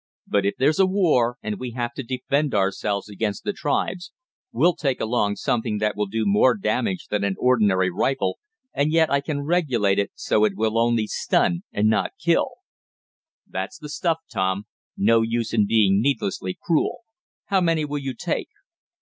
But if there's a war, and we have to defend ourselves against the tribes, we'll take along something that will do more damage than an ordinary rifle, and yet I can regulate it so that it will only stun, and not kill." "That's the stuff, Tom. No use in being needlessly cruel. How many will you take?"